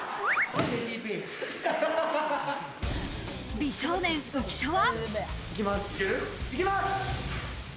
美少年・浮所は。